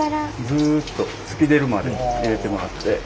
ずっと突き出るまで入れてもらって。